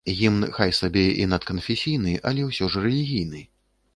Гімн хай сабе і надканфесійны, але ўсё ж рэлігійны.